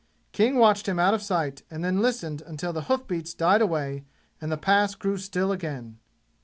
King watched him out of sight and then listened until the hoof beats died away and the Pass grew still again.